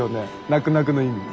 「なくなく」の意味。